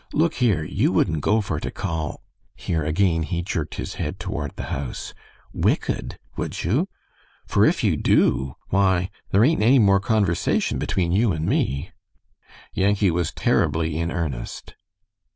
"Look here, you wouldn't go for to call" here again he jerked his head toward the house "wicked, would you? Fur if you do, why, there ain't any more conversation between you and me." Yankee was terribly in earnest.